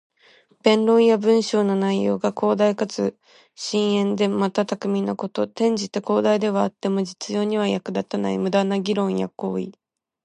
弁論や文章の内容が広大かつ深遠で、また巧みなこと。転じて、広大ではあっても実用には役立たない無駄な議論や行為。